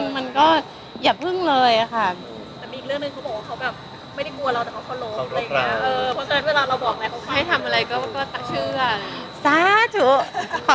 มันก็อย่าพึ่งเลยอะค่ะ